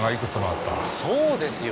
そうですよ。